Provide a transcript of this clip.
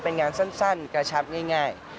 เป็นงานสั้นกระชับง่าย